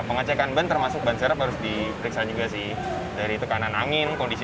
pengecekan ban termasuk ban serap harus diperiksa juga sih dari tekanan angin kondisi